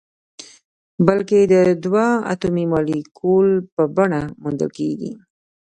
بلکې د دوه اتومي مالیکول په بڼه موندل کیږي.